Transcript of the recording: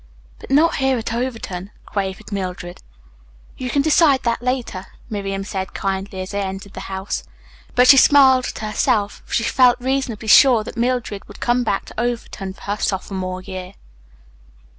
"But not here at Overton," quavered Mildred. "You can decide that later," Miriam said kindly, as they entered the house. But she smiled to herself, for she felt reasonably sure that Mildred would come back to Overton for her sophomore year.